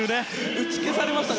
打ち消されましたね